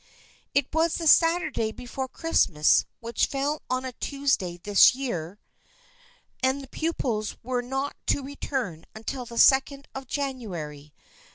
It was the Saturday be fore Christmas, which fell on a Tuesday this year, and the pupils were not to return until the second of January.